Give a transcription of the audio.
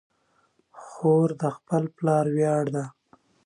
خور د خپل پلار ویاړ ده.